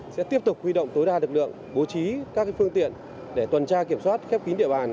sẽ tiếp tục huy động tối đa lực lượng bố trí các phương tiện để tuần tra kiểm soát khép kín địa bàn